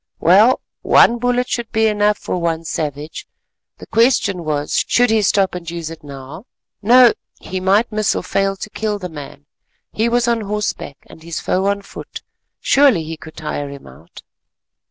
Well, one bullet should be enough for one savage: the question was should he stop and use it now? No, he might miss or fail to kill the man; he was on horseback and his foe on foot, surely he could tire him out.